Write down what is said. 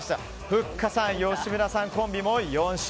ふっかさん吉村さんコンビも４勝。